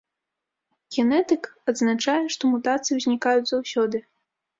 Генетык адзначае, што мутацыі ўзнікаюць заўсёды.